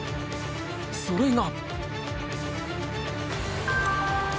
それが。